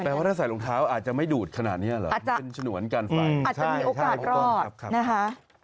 แปลว่าถ้าใส่รองเท้าอาจจะไม่ดูดขนาดนี้หรออาจจะมีโอกาสรอดนะคะ